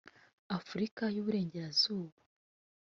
Afurika y’Uburengerazuba